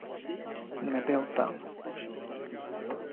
Nebyl tam.